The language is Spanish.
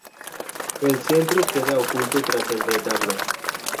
El central queda oculto tras el retablo.